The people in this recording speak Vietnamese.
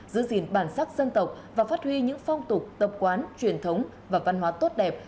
giữ gìn bản sắc dân tộc và phát huy những phong tục tập quán truyền thống và văn hóa tốt đẹp